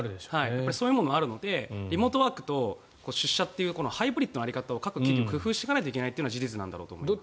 そういうものがあるのでリモートワークと出社というハイブリッドを各企業で工夫していかないといけないのは事実だろうと思います。